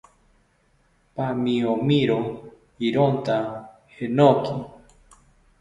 ¡Pamiomiro ironta jenoki!